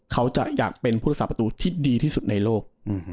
เขาจะอยากเป็นผู้รักษาประตูที่ดีที่สุดในโลก